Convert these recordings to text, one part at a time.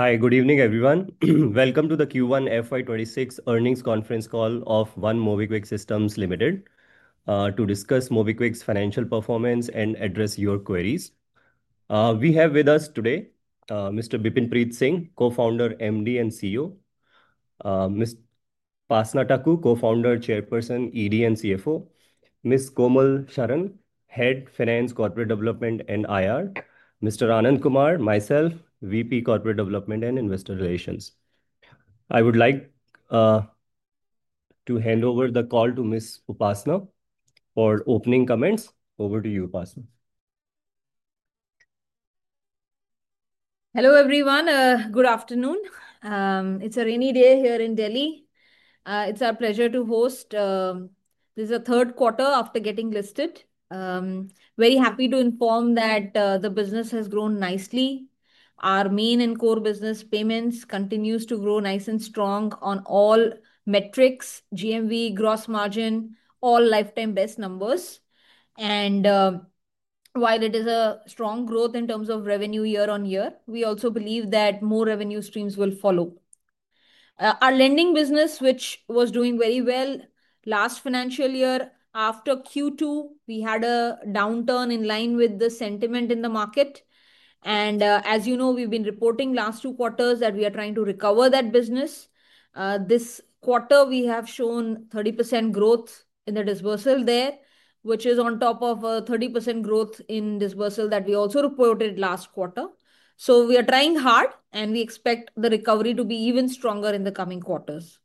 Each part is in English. Hi, good evening everyone. Welcome to the Q1 FY 2026 earnings conference call of One MobiKwik Systems Ltd to discuss MobiKwik's financial performance and address your queries. We have with us today, Mr. Bipin Preet Singh, Co-founder, MD and CEO, Ms. Upasana Taku, Co-founder, Chairperson, ED and CFO, Ms. Komal Sharan, Head of Finance, Corporate Development and IR, and Mr. Anand Kumar, myself, VP, Corporate Development and Investor Relations. I would like to hand over the call to Ms. Upasana for opening comments. Over to you, Upasana. Hello everyone. Good afternoon. It's a rainy day here in Delhi. It's our pleasure to host, this is the third quarter after getting listed. Very happy to inform that the business has grown nicely. Our main and core business payments continue to grow nice and strong on all metrics: GMV, gross margin, all lifetime best numbers. While it is a strong growth in terms of revenue year-on-year, we also believe that more revenue streams will follow. Our lending business, which was doing very well last financial year, after Q2, we had a downturn in line with the sentiment in the market. As you know, we've been reporting last two quarters that we are trying to recover that business. This quarter, we have shown 30% growth in the disbursal there, which is on top of a 30% growth in disbursal that we also reported last quarter. We are trying hard and we expect the recovery to be even stronger in the coming quarters.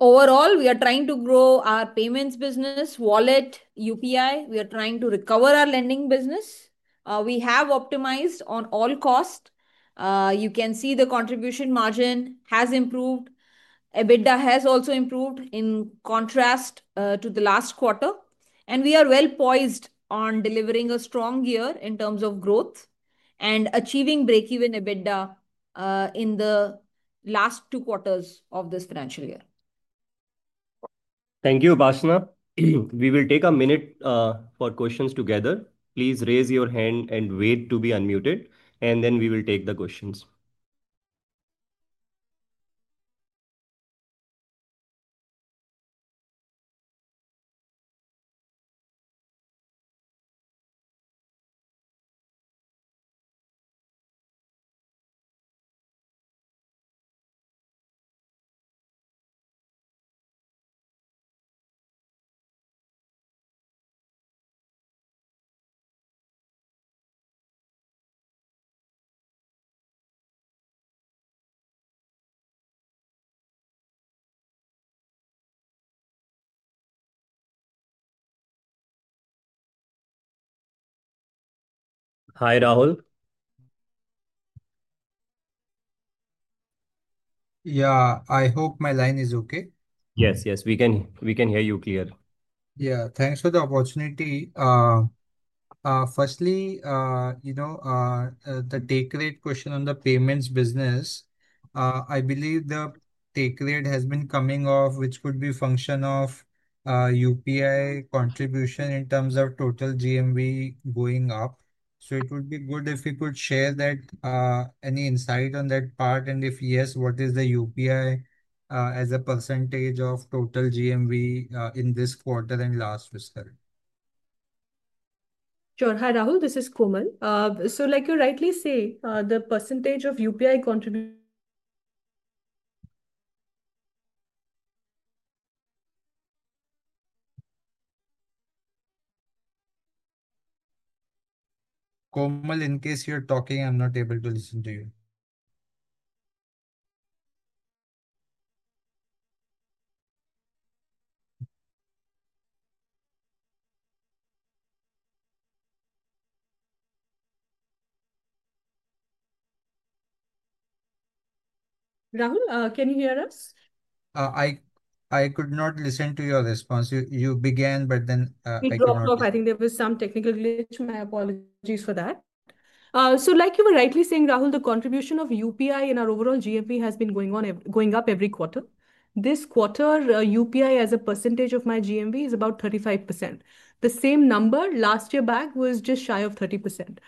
Overall, we are trying to grow our payments business, wallet, UPI. We are trying to recover our lending business. We have optimized on all costs. You can see the contribution margin has improved. EBITDA has also improved in contrast to the last quarter. We are well poised on delivering a strong year in terms of growth and achieving break-even EBITDA in the last two quarters of this financial year. Thank you, Upasana. We will take a minute for questions together. Please raise your hand and wait to be unmuted, and then we will take the questions. Hi, Rahul. Yeah, I hope my line is okay. Yes, yes, we can hear you clear. Yeah, thanks for the opportunity. Firstly, you know, the take rate question on the payments business. I believe the take rate has been coming off, which could be a function of UPI contribution in terms of total GMV going up. It would be good if you could share that, any insight on that part and if yes, what is the UPI, as a percentage of total GMV, in this quarter and last fiscal? Sure. Hi, Rahul. This is Komal. Like you rightly say, the percentage of UPI contribution. Komal, in case you're talking, I'm not able to listen to you. Rahul, can you hear us? I could not listen to your response. You began, but then. I dropped off. I think there was some technical glitch. My apologies for that. Like you were rightly saying, Rahul, the contribution of UPI in our overall GMV has been going up every quarter. This quarter, UPI as a percentage of my GMV is about 35%. The same number last year back was just shy of 30%.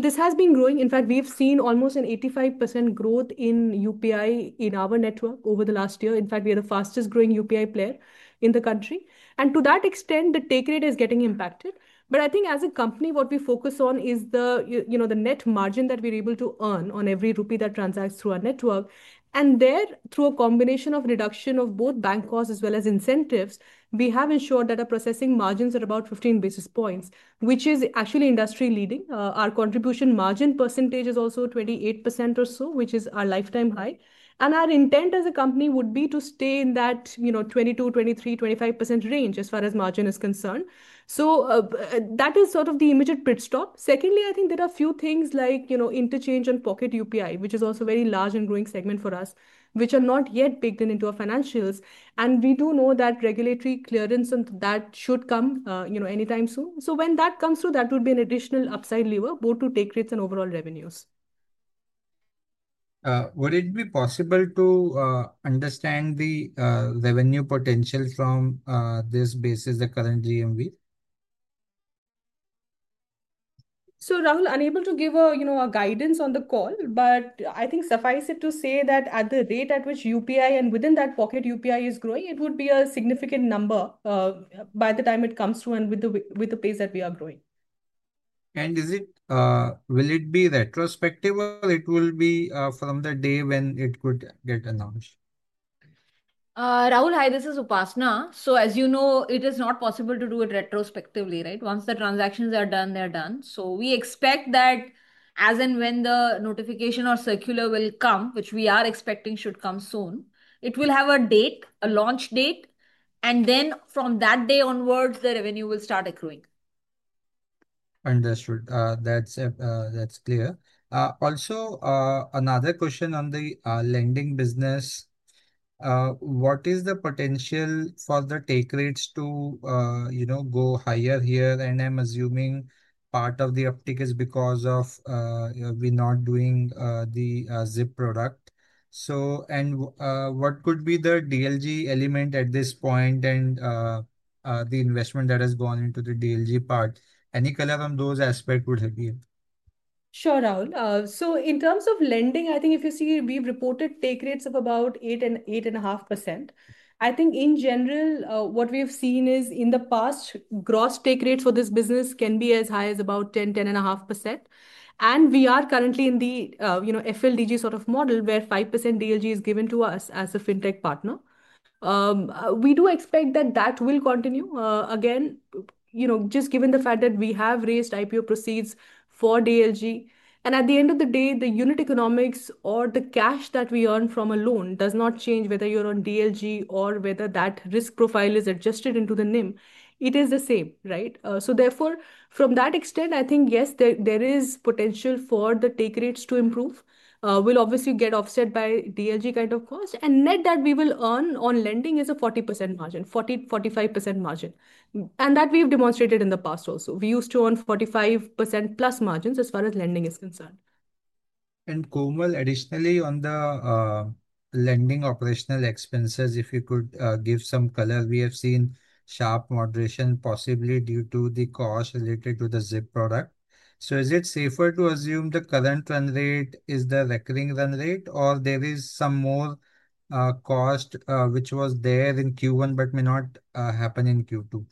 This has been growing. In fact, we have seen almost an 85% growth in UPI in our network over the last year. In fact, we are the fastest growing UPI player in the country. To that extent, the take rate is getting impacted. I think as a company, what we focus on is the net margin that we are able to earn on every rupee that transacts through our network. There, through a combination of reduction of both bank costs as well as incentives, we have ensured that our processing margins are about 15 basis points, which is actually industry-leading. Our contribution margin percentage is also 28% or so, which is our lifetime high. Our intent as a company would be to stay in that 22%, 23%, 25% range as far as margin is concerned. That is sort of the immediate pit stop. Secondly, I think there are a few things like interchange and Pocket UPI, which is also a very large and growing segment for us, which are not yet baked into our financials. We do know that regulatory clearance should come anytime soon. When that comes through, that would be an additional upside lever both to take rates and overall revenues. Would it be possible to understand the revenue potential from this basis, the current GMV? Rahul, unable to give a, you know, a guidance on the call, but I think suffice it to say that at the rate at which UPI and within that Pocket UPI is growing, it would be a significant number by the time it comes through and with the pace that we are growing. Will it be retrospective, or will it be from the day when it would get announced? Rahul, hi, this is Upasana. As you know, it is not possible to do it retrospectively, right? Once the transactions are done, they're done. We expect that as and when the notification or circular will come, which we are expecting should come soon, it will have a date, a launch date, and from that day onwards, the revenue will start accruing. Understood. That's clear. Also, another question on the lending business. What is the potential for the take rates to go higher here? I'm assuming part of the uptick is because we're not doing the ZIP product. What could be the FLDG element at this point and the investment that has gone into the FLDG part? Any color on those aspects would help you. Sure, Rahul. In terms of lending, if you see, we've reported take rates of about 8% and 8.5%. In general, what we have seen is in the past, gross take rates for this business can be as high as about 10%-10.5%. We are currently in the FLDG sort of model where 5% FLDG is given to us as a fintech partner. We do expect that will continue, just given the fact that we have raised IPO proceeds for FLDG. At the end of the day, the unit economics or the cash that we earn from a loan does not change whether you're on FLDG or whether that risk profile is adjusted into the NIM. It is the same, right? Therefore, from that extent, yes, there is potential for the take rates to improve. We'll obviously get offset by FLDG kind of cost. Net that we will earn on lending is a 40% margin, 40%-45% margin. That we've demonstrated in the past also. We used to earn 45%+ margins as far as lending is concerned. Komal, additionally, on the lending operational expenses, if you could give some color, we have seen sharp moderation possibly due to the cost related to the ZIP product. Is it safer to assume the current run rate is the recurring run rate, or is there some more cost which was there in Q1 but may not happen in Q2?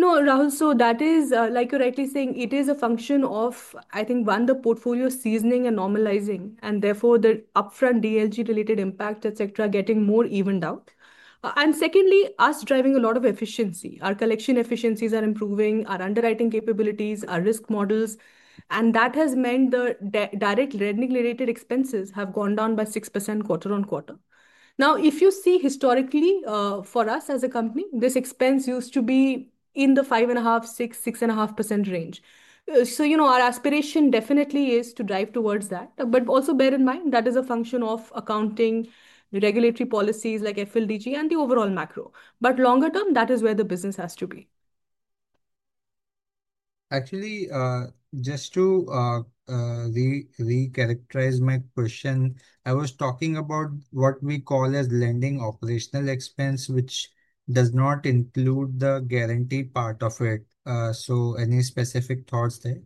No, Rahul. That is like you're rightly saying, it is a function of, I think, one, the portfolio seasoning and normalizing, and therefore the upfront FLDG related impact, et cetera, getting more evened out. Secondly, us driving a lot of efficiency. Our collection efficiencies are improving, our underwriting capabilities, our risk models. That has meant the direct lending related expenses have gone down by 6% quarter-on-quarter. Now, if you see historically, for us as a company, this expense used to be in the 5.5%-6.5% range. Our aspiration definitely is to drive towards that. Also bear in mind, that is a function of accounting, the regulatory policies like FLDG, and the overall macro. Longer term, that is where the business has to be. Actually, just to recharacterize my question, I was talking about what we call as lending operational expense, which does not include the guaranteed part of it. Any specific thoughts there?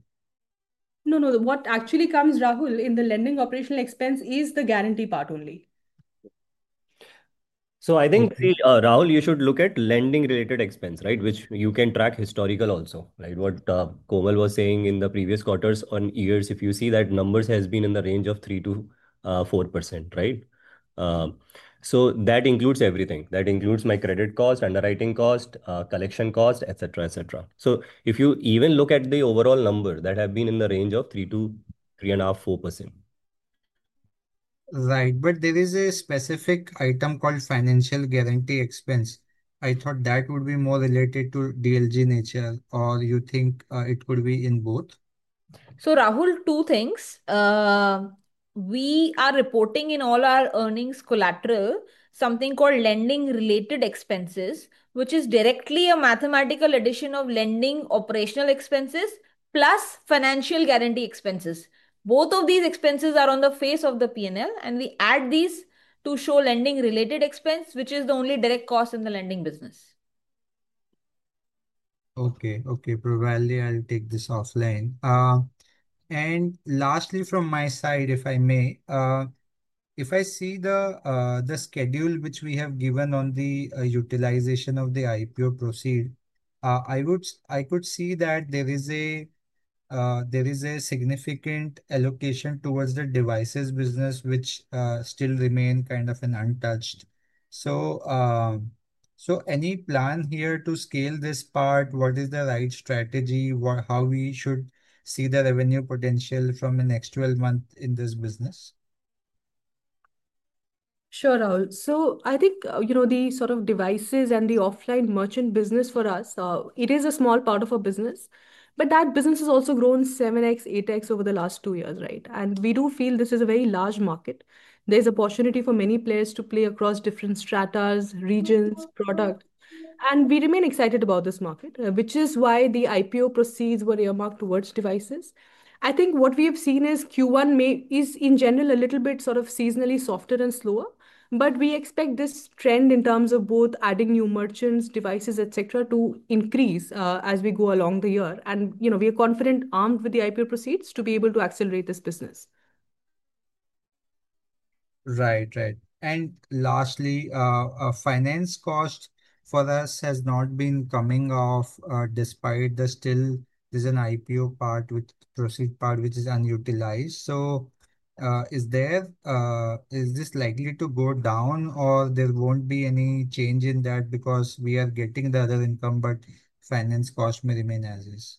No, no. What actually comes, Rahul, in the lending operational expense is the guaranteed part only. I think, Rahul, you should look at lending related expense, right, which you can track historical also, right? What Komal was saying in the previous quarters or years, if you see that numbers have been in the range of 3%-4%, right? That includes everything. That includes my credit cost, underwriting cost, collection cost, et cetera, et cetera. If you even look at the overall number, that has been in the range of 3%-3.5%-4%. Right. There is a specific item called financial guarantee expense. I thought that would be more related to FLDG nature, or you think it could be in both? Rahul, two things. We are reporting in all our earnings collateral something called lending related expenses, which is directly a mathematical addition of lending operational expenses plus financial guarantee expenses. Both of these expenses are on the face of the P&L, and we add these to show lending related expense, which is the only direct cost in the lending business. Okay, okay. I'll take this offline. Lastly, from my side, if I may, if I see the schedule which we have given on the utilization of the IPO proceed, I could see that there is a significant allocation towards the devices business, which still remains kind of untouched. Any plan here to scale this part? What is the right strategy? How should we see the revenue potential from the next 12 months in this business? Sure, Rahul. I think, you know, the sort of devices and the offline merchant business for us, it is a small part of our business. That business has also grown 7x, 8x over the last two years, right? We do feel this is a very large market. There's opportunity for many players to play across different stratas, regions, products. We remain excited about this market, which is why the IPO proceeds were earmarked towards devices. I think what we have seen is Q1 is in general a little bit sort of seasonally softer and slower. We expect this trend in terms of both adding new merchants, devices, et cetera, to increase as we go along the year. You know, we are confident armed with the IPO proceeds to be able to accelerate this business. Right, right. Lastly, finance cost for us has not been coming off despite there still is an IPO part with the proceeds part which is unutilized. Is this likely to go down or there won't be any change in that because we are getting the other income but finance cost may remain as is?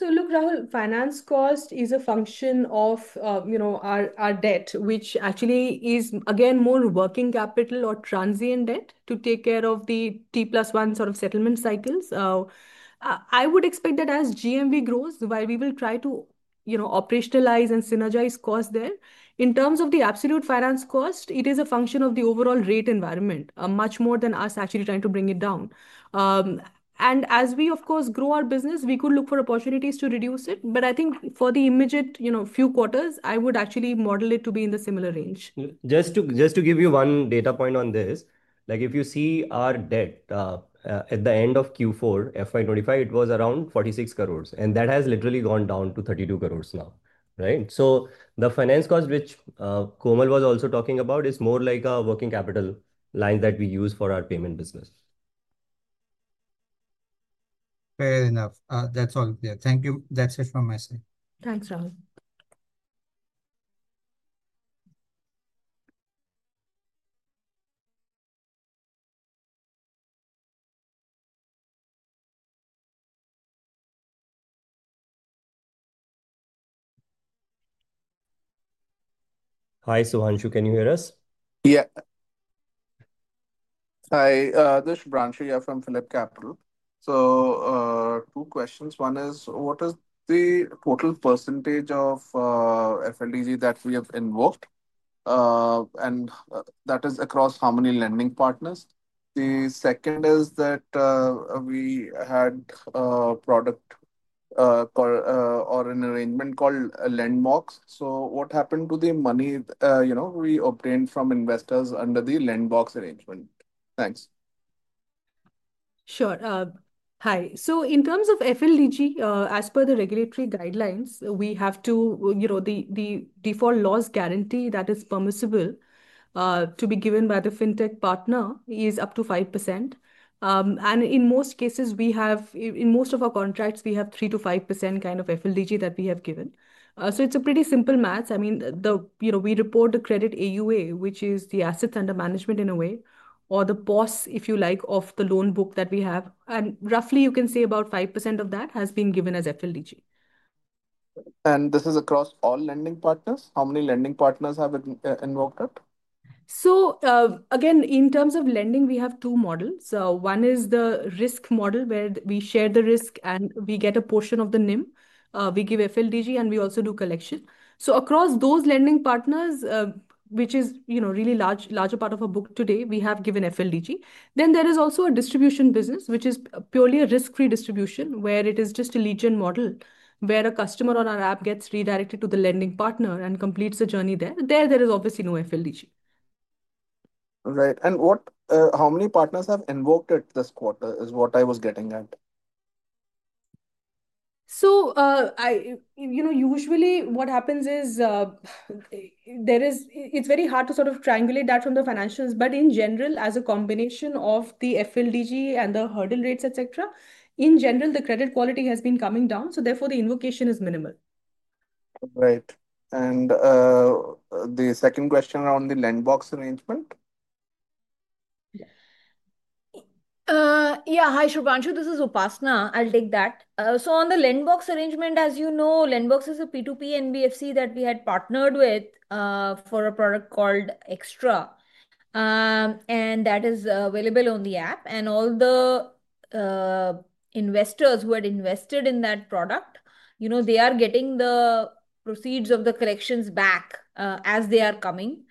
Look, Rahul, finance cost is a function of our debt, which actually is again more working capital or transient debt to take care of the T plus one sort of settlement cycles. I would expect that as GMV grows, while we will try to operationalize and synergize costs there, in terms of the absolute finance cost, it is a function of the overall rate environment, much more than us actually trying to bring it down. As we, of course, grow our business, we could look for opportunities to reduce it. I think for the immediate few quarters, I would actually model it to be in the similar range. Just to give you one data point on this, like if you see our debt at the end of Q4 FY 2025, it was around 46 crore, and that has literally gone down to 32 crore now, right? The finance cost, which Komal was also talking about, is more like a working capital line that we use for our payment business. Fair enough. That's all clear. Thank you. That's it from my side. Thanks, Rahul. Hi, Suhanshu. Can you hear us? Hi, Ad[hish Branshuya from Phillip Capital]. Two questions. One is, what is the total percentage of FLDG that we have invoked? That is across how many lending partners? The second is that we had a product or an arrangement called Lendbox. What happened to the money, you know, we obtained from investors under the Lendbox arrangement? Thanks. Sure. Hi. In terms of FLDG, as per the regulatory guidelines, we have to, you know, the default loss guarantee that is permissible to be given by the fintech partner is up to 5%. In most cases, in most of our contracts, we have 3%-5% kind of FLDG that we have given. It's a pretty simple math. We report the credit AUA, which is the assets under management in a way, or the POS, if you like, of the loan book that we have. Roughly, you can say about 5% of that has been given as FLDG. Is this across all lending partners? How many lending partners have invoked it? In terms of lending, we have two models. One is the risk model where we share the risk and we get a portion of the NIM. We give FLDG and we also do collection. Across those lending partners, which is a really large part of our book today, we have given FLDG. There is also a distribution business, which is purely a risk-free distribution where it is just a legion model where a customer on our app gets redirected to the lending partner and completes the journey there. There is obviously no FLDG. Right. How many partners have invoked it this quarter is what I was getting at? Usually what happens is it's very hard to sort of triangulate that from the financials. In general, as a combination of the FLDG and the hurdle rates, et cetera, in general, the credit quality has been coming down. Therefore, the invocation is minimal. Right. The second question around the Lendbox arrangement? Yeah. Hi, [Shubhanshu]. This is Upasana. I'll take that. On the Lendbox arrangement, as you know, Lendbox is a P2P NBFC that we had partnered with for a product called Xtra. That is available on the app. All the investors who had invested in that product, you know, they are getting the proceeds of the collections back as they are coming.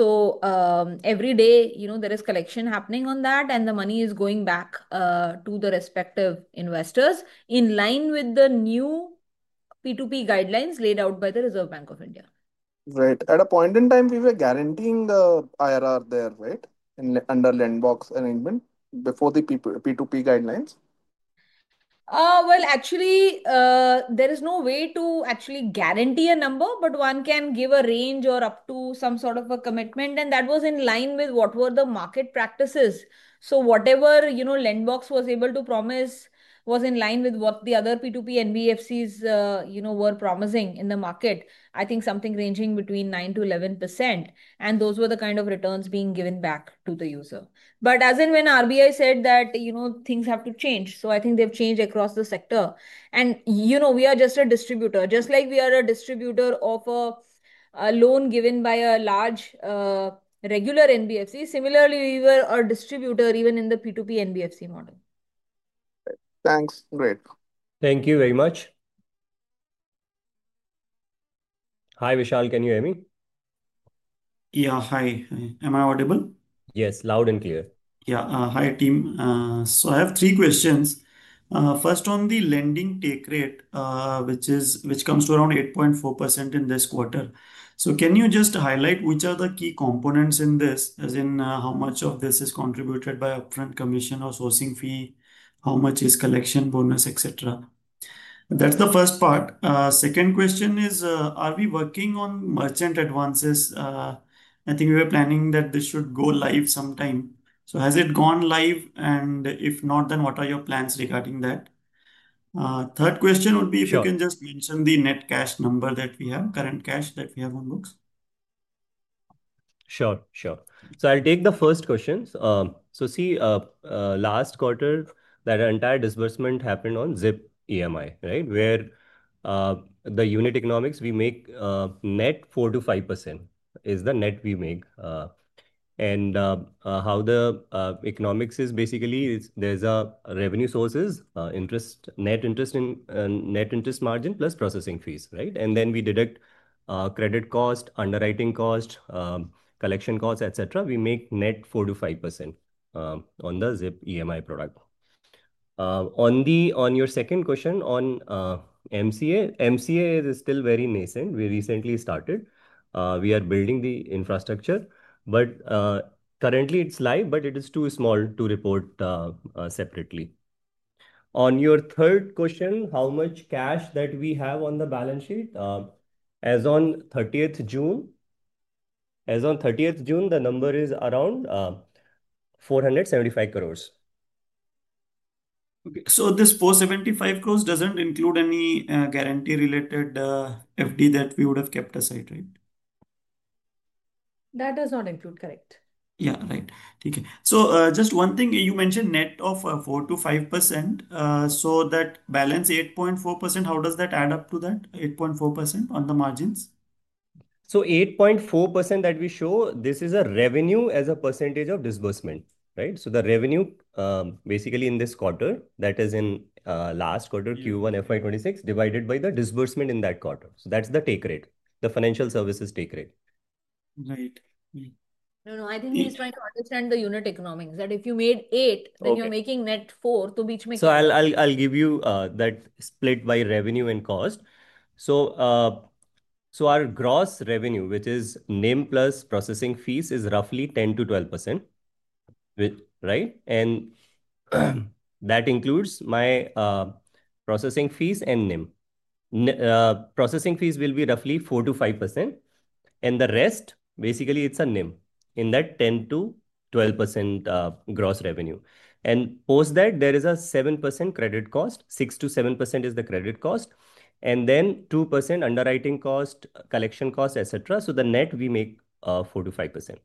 Every day, you know, there is collection happening on that and the money is going back to the respective investors in line with the new P2P guidelines laid out by the Reserve Bank of India. Right. At a point in time, we were guaranteeing the IRR there, right, under Lendbox arrangement before the P2P guidelines? There is no way to actually guarantee a number, but one can give a range or up to some sort of a commitment. That was in line with what were the market practices. Whatever Lendbox was able to promise was in line with what the other P2P NBFCs were promising in the market. I think something ranging between 9%-11%. Those were the kind of returns being given back to the user. As and when the RBI said that things have to change, I think they've changed across the sector. We are just a distributor. Just like we are a distributor of a loan given by a large, regular NBFC, similarly, we were a distributor even in the P2P NBFC model. Thanks. Great. Thank you very much. Hi, Vishal. Can you hear me? Yeah, hi. Am I audible? Yes, loud and clear. Yeah, hi, team. I have three questions. First, on the lending take rate, which comes to around 8.4% in this quarter. Can you just highlight which are the key components in this, as in how much of this is contributed by upfront commission or sourcing fee, how much is collection bonus, etc.? That's the first part. Second question is, are we working on merchant advances? I think we were planning that this should go live sometime. Has it gone live? If not, what are your plans regarding that? Third question would be if you can just mention the net cash number that we have, current cash that we have on books. Sure, sure. I'll take the first question. Last quarter, that entire disbursement happened on ZIP EMI, right, where the unit economics, we make net 4%-5% is the net we make. How the economics is, basically, there's revenue sources, interest, net interest in net interest margin plus processing fees, right? Then we deduct credit cost, underwriting cost, collection cost, et cetera. We make net 4%-5% on the ZIP EMI product. On your second question, on MCA, MCA is still very nascent. We recently started. We are building the infrastructure. Currently, it's live, but it is too small to report separately. On your third question, how much cash that we have on the balance sheet? As on 30th June, the number is around 475 crore. Okay. This 475 crores doesn't include any guarantee-related Fixed Deposits that we would have kept aside, right? That does not include, correct. Yeah, right. Okay. Just one thing, you mentioned net of 4%-5%. That balance 8.4%, how does that add up to that, 8.4% on the margins? 8.4% that we show, this is a revenue as a percentage of disbursement, right? The revenue basically in this quarter, that is in last quarter, Q1 FY 2026, divided by the disbursement in that quarter. That's the take rate, the financial services take rate. Right. No, I think he's trying to understand the unit economics, that if you made 8, then you're making net 4, which makes. I'll give you that split by revenue and cost. Our gross revenue, which is NIM plus processing fees, is roughly 10%-12%, right? That includes my processing fees and NIM. Processing fees will be roughly 4%-5%, and the rest, basically, it's a NIM in that 10%-12% gross revenue. Post that, there is a 7% credit cost. 6%-7% is the credit cost, and then 2% underwriting cost, collection cost, et cetera. The net we make is 4%-5%. Sure.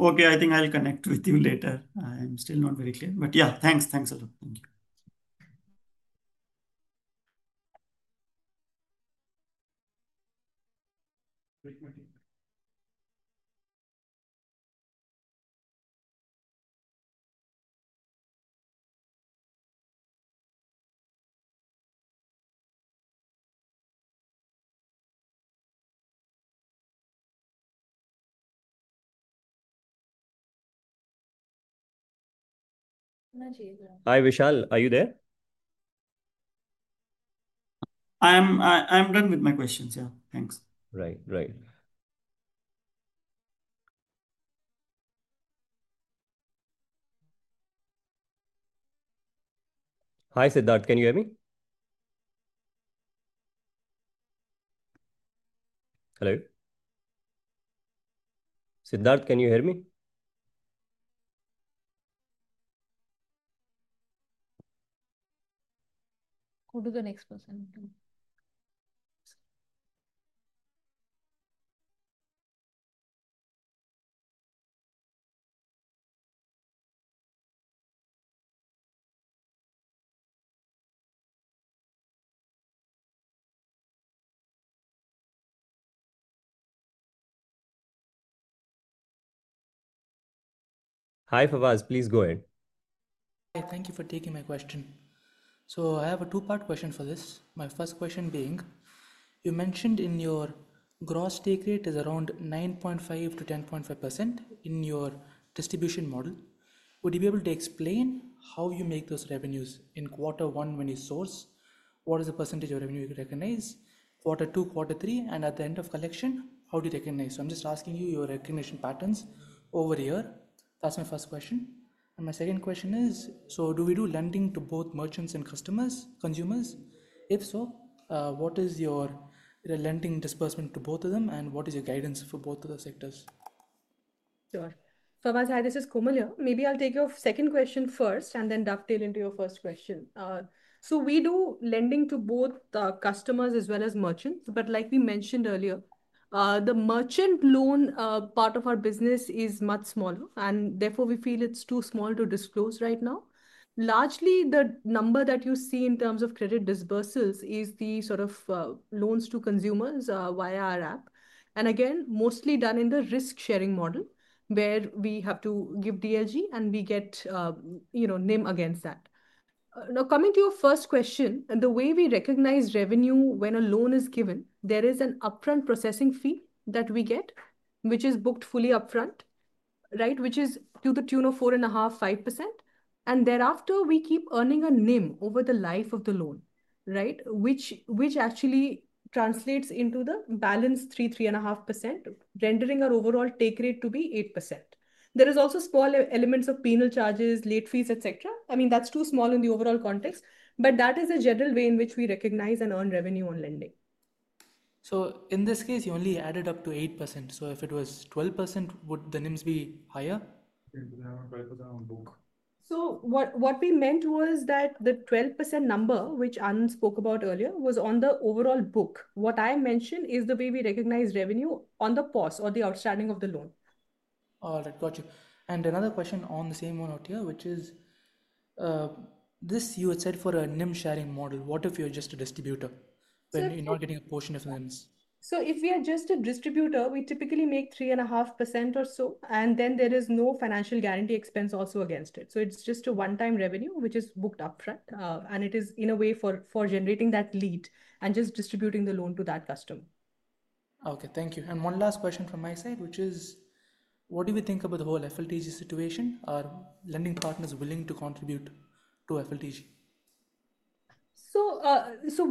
Okay, I think I'll connect with you later. I'm still not very clear, but yeah, thanks. Hi, Vishal. Are you there? I am done with my questions. Thanks. Right. Hi, Siddhart. Can you hear me? Hello? Siddhart, can you hear me? Go to the next person. Hi, Fawaz. Please go ahead. Thank you for taking my question. I have a two-part question for this. My first question being, you mentioned your gross take rate is around 9.5%-10.5% in your distribution model. Would you be able to explain how you make those revenues in quarter one when you source? What is the percentage of revenue you recognize? Quarter two, quarter three, and at the end of collection, how do you recognize? I'm just asking you your recognition patterns over a year. That's my first question. My second question is, do we do lending to both merchants and customers, consumers? If so, what is your lending disbursement to both of them? What is your guidance for both of those sectors? Sure. Fawaz, hi. This is Komal here. Maybe I'll take your second question first and then dovetail into your first question. We do lending to both customers as well as merchants. Like we mentioned earlier, the merchant loan part of our business is much smaller. Therefore, we feel it's too small to disclose right now. Largely, the number that you see in terms of credit disbursals is the sort of loans to consumers via our app. Again, mostly done in the risk-sharing model where we have to give FLDG and we get, you know, NIM against that. Now, coming to your first question, the way we recognize revenue when a loan is given, there is an upfront processing fee that we get, which is booked fully upfront, right, which is to the tune of 4.5%-5%. Thereafter, we keep earning a NIM over the life of the loan, right, which actually translates into the balance 3%-3.5%, rendering our overall take rate to be 8%. There are also small elements of penal charges, late fees, et cetera. I mean, that's too small in the overall context. That is a general way in which we recognize and earn revenue on lending. In this case, you only added up to 8%. If it was 12%, would the NIMs be higher? What we meant was that the 12% number, which Anand spoke about earlier, was on the overall book. What I mentioned is the way we recognize revenue on the POS or the outstanding of the loan. All right. Got you. Another question on the same one out here, which is, this you had said for a NIM sharing model. What if you're just a distributor, but you're not getting a portion of NIMs. If you're just a distributor, we typically make 3.5% or so. There is no financial guarantee expense also against it. It's just a one-time revenue, which is booked upfront. It is in a way for generating that lead and just distributing the loan to that customer. Okay. Thank you. One last question from my side, which is, what do we think about the whole FLDG situation? Are lending partners willing to contribute to FLDG?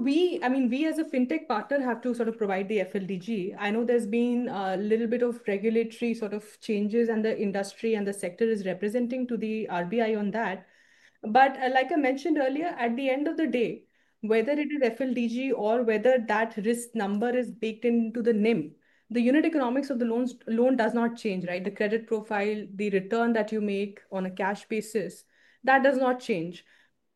We, as a fintech partner, have to sort of provide the FLDG. I know there's been a little bit of regulatory sort of changes and the industry and the sector is representing to the RBI on that. Like I mentioned earlier, at the end of the day, whether it is FLDG or whether that risk number is baked into the NIM, the unit economics of the loan does not change, right? The credit profile, the return that you make on a cash basis, that does not change.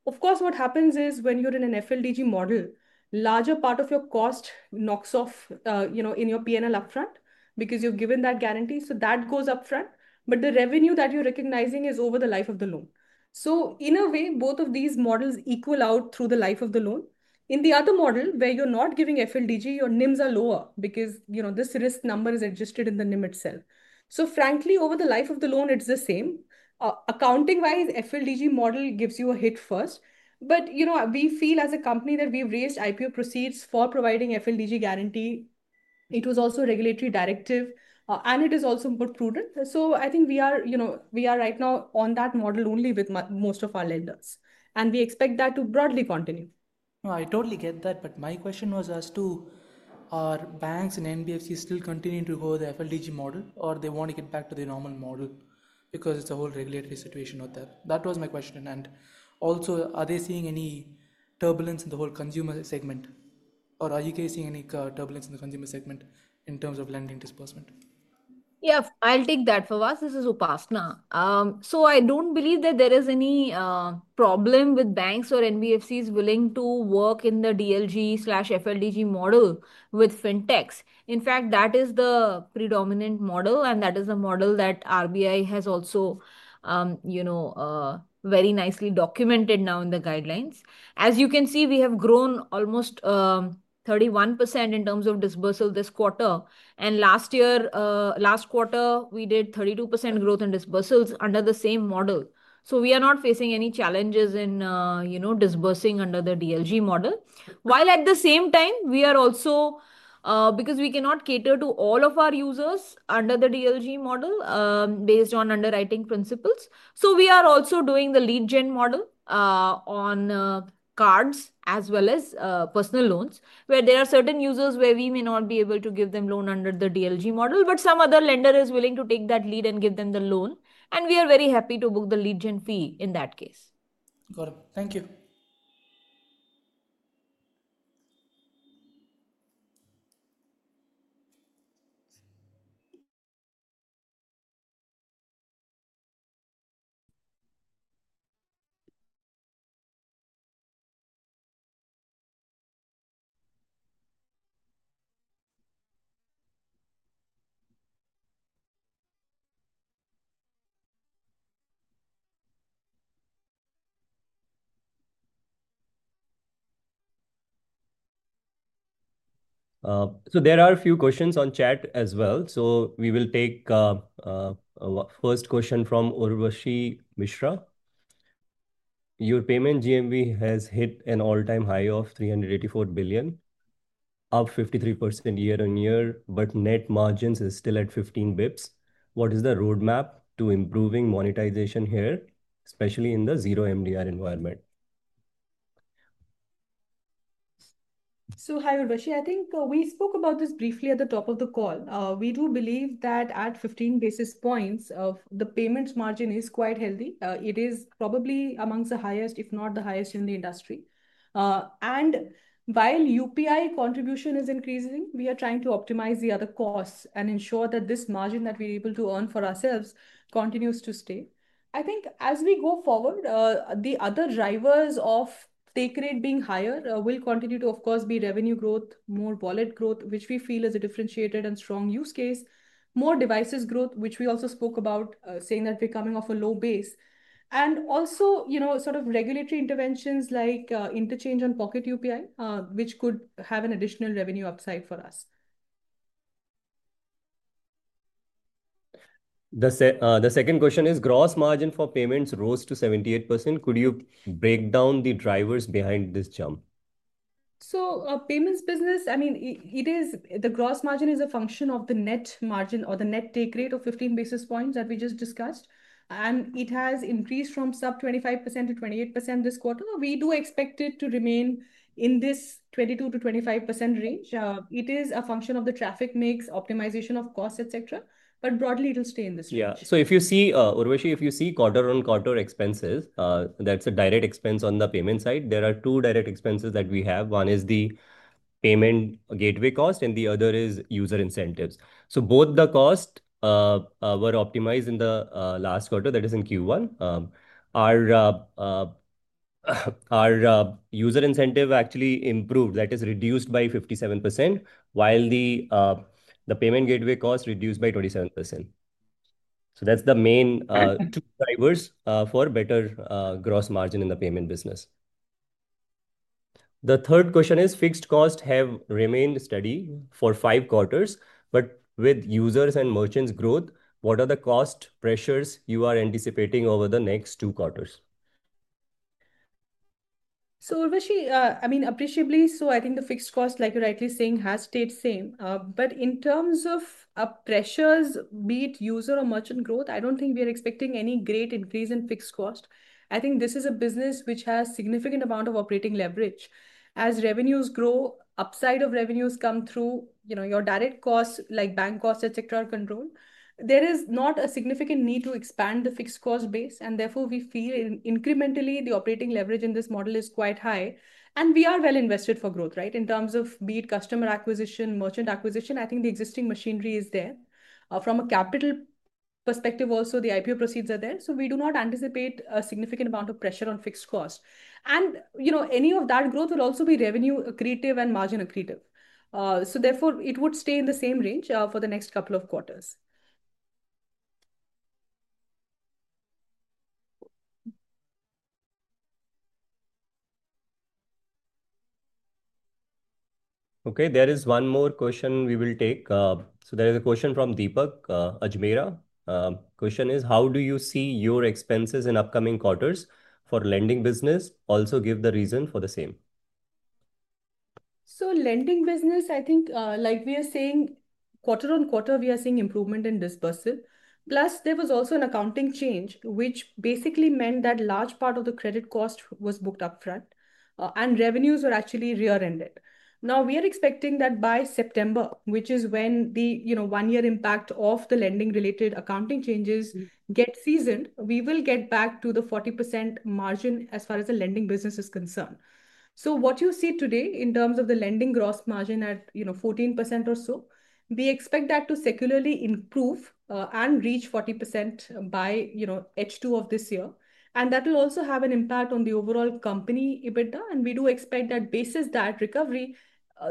Of course, what happens is when you're in an FLDG model, a larger part of your cost knocks off in your P&L upfront because you've given that guarantee. That goes upfront, but the revenue that you're recognizing is over the life of the loan. In a way, both of these models equal out through the life of the loan. In the other model, where you're not giving FLDG, your NIMs are lower because this risk number is adjusted in the NIM itself. Frankly, over the life of the loan, it's the same. Accounting-wise, the FLDG model gives you a hit first. We feel as a company that we've raised IPO proceeds for providing FLDG guarantee. It was also a regulatory directive, and it is also more prudent. I think we are right now on that model only with most of our lenders, and we expect that to broadly continue. I totally get that. My question was, are banks and NBFC still continuing to go the FLDG model, or do they want to get back to the normal model because it's a whole regulatory situation out there? That was my question. Also, are they seeing any turbulence in the whole consumer segment, or are you guys seeing any turbulence in the consumer segment in terms of lending disbursement? Yeah, I'll take that. Fawaz, this is Upasana. I don't believe that there is any problem with banks or NBFCs willing to work in the DLG/FLDG model with fintechs. In fact, that is the predominant model, and that is a model that the Reserve Bank of India has also, you know, very nicely documented now in the guidelines. As you can see, we have grown almost 31% in terms of disbursal this quarter. Last year, last quarter, we did 32% growth in disbursals under the same model. We are not facing any challenges in disbursing under the DLG model. While at the same time, we are also, because we cannot cater to all of our users under the DLG model based on underwriting principles, we are also doing the lead gen model on cards as well as personal loans where there are certain users where we may not be able to give them a loan under the DLG model, but some other lender is willing to take that lead and give them the loan. We are very happy to book the lead gen fee in that case. Got it. Thank you. There are a few questions on chat as well. We will take the first question from Urvashi Mishra. Your payment GMV has hit an all-time high of 384 billion, up 53% year-on-year, but net margins are still at 15 bps. What is the roadmap to improving monetization here, especially in the zero MDR environment? Hi, Urvashi. I think we spoke about this briefly at the top of the call. We do believe that at 15 basis points, the payments margin is quite healthy. It is probably amongst the highest, if not the highest in the industry. While UPI contribution is increasing, we are trying to optimize the other costs and ensure that this margin that we are able to earn for ourselves continues to stay. I think as we go forward, the other drivers of take rate being higher will continue to, of course, be revenue growth, more wallet growth, which we feel is a differentiated and strong use case, more devices growth, which we also spoke about, saying that we're coming off a low base. Also, you know, sort of regulatory interventions like interchange and Pocket UPI, which could have an additional revenue upside for us. The second question is, gross margin for payments rose to 78%. Could you break down the drivers behind this jump? Payments business, I mean, the gross margin is a function of the net margin or the net take rate of 15 basis points that we just discussed. It has increased from below 25%-28% this quarter. We do expect it to remain in this 22%-25% range. It is a function of the traffic mix, optimization of costs, et cetera. Broadly, it will stay in this range. Yeah. If you see, Urvashi, if you see quarter-on-quarter expenses, that's a direct expense on the payment side. There are two direct expenses that we have. One is the payment gateway cost and the other is user incentives. Both the costs were optimized in the last quarter, that is in Q1. Our user incentive actually improved, that is reduced by 57%, while the payment gateway cost reduced by 27%. That's the main drivers for better gross margin in the payment business. The third question is, fixed costs have remained steady for five quarters. With users and merchants' growth, what are the cost pressures you are anticipating over the next two quarters? Urvashi, I mean, appreciably, I think the fixed cost, like you're rightly saying, has stayed the same. In terms of pressures, be it user or merchant growth, I don't think we are expecting any great increase in fixed cost. I think this is a business which has a significant amount of operating leverage. As revenues grow, upside of revenues come through, you know, your direct costs like bank costs, et cetera, are controlled. There is not a significant need to expand the fixed cost base. Therefore, we feel incrementally the operating leverage in this model is quite high. We are well invested for growth, right? In terms of be it customer acquisition, merchant acquisition, I think the existing machinery is there. From a capital perspective also, the IPO proceeds are there. We do not anticipate a significant amount of pressure on fixed costs. Any of that growth will also be revenue accretive and margin accretive. Therefore, it would stay in the same range for the next couple of quarters. Okay. There is one more question we will take. There is a question from Deepak Ajmera. The question is, how do you see your expenses in upcoming quarters for the lending business? Also, give the reason for the same. The lending business, I think, like we are saying, quarter-on-quarter, we are seeing improvement in disbursal. Plus, there was also an accounting change, which basically meant that a large part of the credit cost was booked upfront. Revenues were actually rear-ended. We are expecting that by September, which is when the one-year impact of the lending-related accounting changes gets seasoned, we will get back to the 40% margin as far as the lending business is concerned. What you see today in terms of the lending gross margin at 14% or so, we expect that to secularly improve and reach 40% by H2 of this year. That will also have an impact on the overall company EBITDA. We do expect that basis that recovery,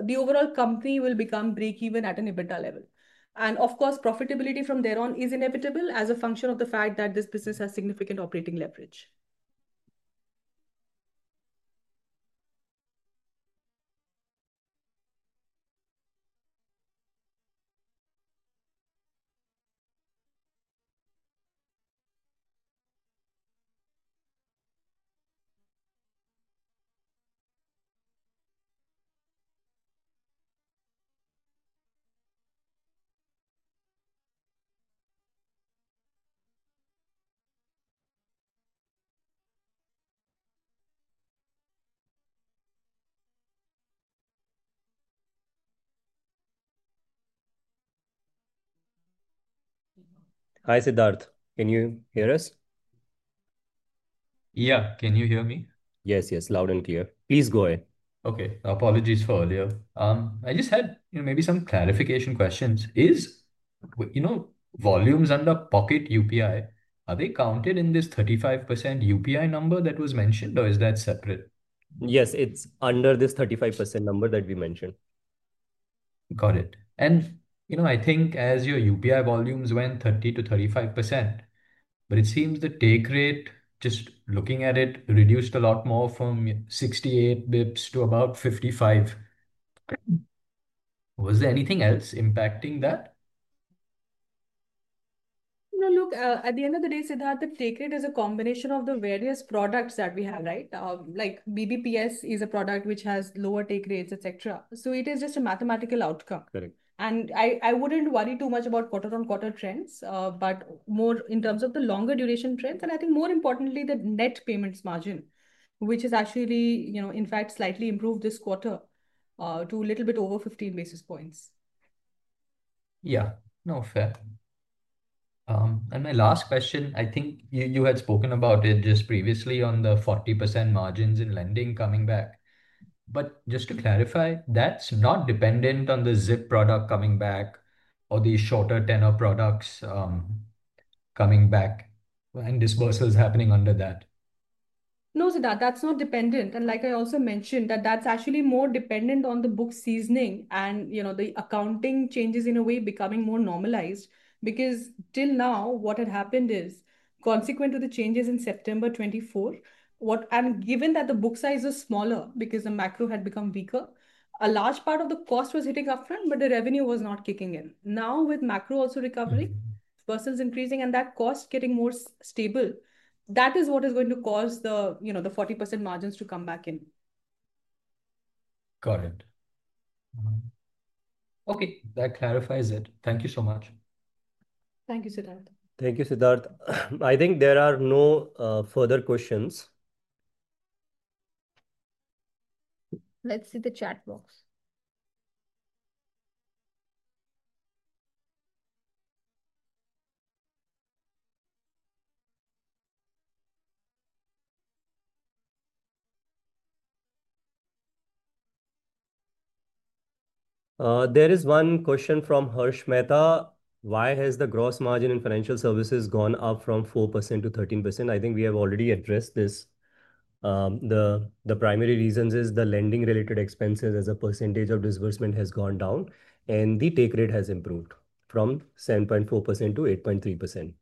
the overall company will become break-even at an EBITDA level. Of course, profitability from thereon is inevitable as a function of the fact that this business has significant operating leverage. Hi, Siddharth. Can you hear us? Yeah, can you hear me? Yes, yes. Loud and clear. Please go ahead. Okay, apologies for earlier. I just had maybe some clarification questions. Is volumes under Pocket UPI, are they counted in this 35% UPI number that was mentioned or is that separate? Yes, it's under this 35% number that we mentioned. Got it. I think as your UPI volumes went 30%-35%, but it seems the take rate, just looking at it, reduced a lot more from 68 bps to about 55 bps. Was there anything else impacting that? No, look, at the end of the day, Siddharth, the take rate is a combination of the various products that we have, right? Like BDPS is a product which has lower take rates, etc. It is just a mathematical outcome. Correct. I wouldn't worry too much about quarter-on-quarter trends, but more in terms of the longer duration trends. I think more importantly, the net payment margins, which is actually, you know, in fact, slightly improved this quarter to a little bit over 15 bps. Yeah, no, fair. My last question, I think you had spoken about it just previously on the 40% margins in lending coming back. Just to clarify, that's not dependent on the ZIP product coming back or the shorter tenor products coming back and disbursals happening under that? No, Siddharth, that's not dependent. Like I also mentioned, that's actually more dependent on the book seasoning and the accounting changes in a way becoming more normalized. Because till now, what had happened is, consequent to the changes in September 2024, what I'm given that the book size was smaller because the macro had become weaker, a large part of the cost was hitting upfront, but the revenue was not kicking in. Now, with macro also recovering, disbursals increasing, and that cost getting more stable, that is what is going to cause the 40% margins to come back in. Got it. Okay. That clarifies it. Thank you so much. Thank you, Siddharth. Thank you, Siddharth. I think there are no further questions. Let's see the chat box. There is one question from Harsh Mehta. Why has the gross margin in financial services gone up from 4%-13%? I think we have already addressed this. The primary reason is the lending-related expenses as a percentage of disbursement has gone down and the take rate has improved from 7.4%-8.3%.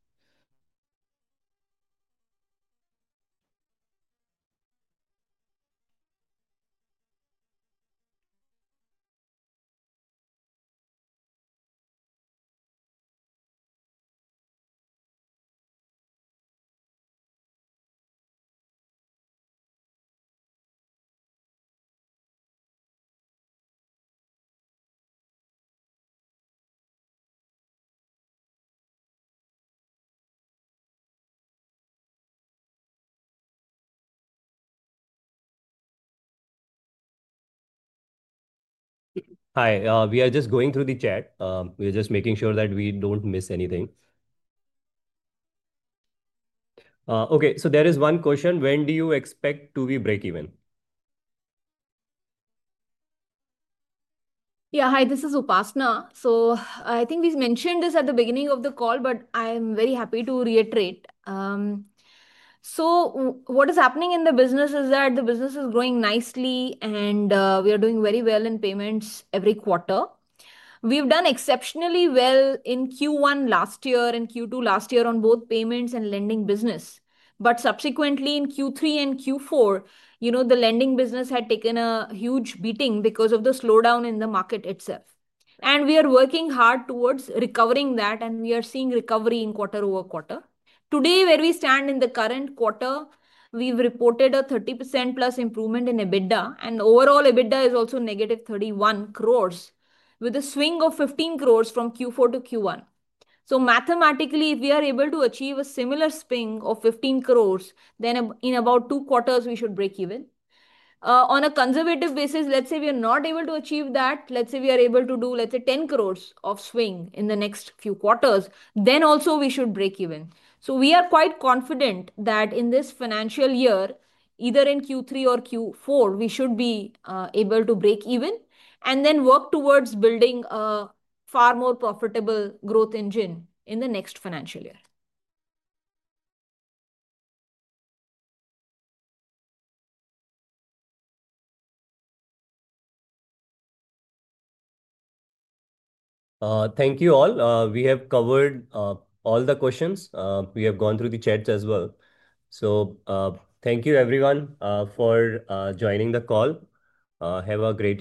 Hi, we are just going through the chat. We are just making sure that we don't miss anything. There is one question. When do you expect to be break-even? Yeah, hi, this is Upasana. I think we mentioned this at the beginning of the call, but I'm very happy to reiterate. What is happening in the business is that the business is growing nicely and we are doing very well in payments every quarter. We've done exceptionally well in Q1 last year and Q2 last year on both payments and lending business. Subsequently, in Q3 and Q4, the lending business had taken a huge beating because of the slowdown in the market itself. We are working hard towards recovering that and we are seeing recovery quarter over quarter. Today, where we stand in the current quarter, we've reported a 30%+ improvement in EBITDA and overall EBITDA is also negative 31 crore with a swing of 15 crore from Q4 to Q1. Mathematically, if we are able to achieve a similar swing of 15 crore, then in about two quarters, we should break even. On a conservative basis, let's say we are not able to achieve that. Let's say we are able to do, let's say, 10 crore of swing in the next few quarters, then also we should break even. We are quite confident that in this financial year, either in Q3 or Q4, we should be able to break even and then work towards building a far more profitable growth engine in the next financial year. Thank you all. We have covered all the questions. We have gone through the chats as well. Thank you, everyone, for joining the call. Have a great day.